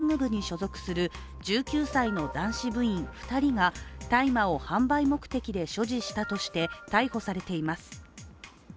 また、先月には東京農業大学のボクシング部に所属する１９歳の男子部員２人が大麻を販売目的で所持したとして逮捕されています。